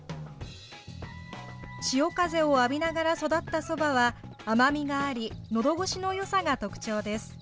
潮風を浴びながら育ったそばは甘みがありのどごしのよさが特徴です。